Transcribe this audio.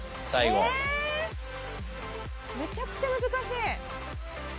めちゃくちゃ難しい。